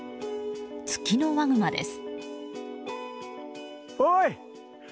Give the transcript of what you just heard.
ツキノワグマです。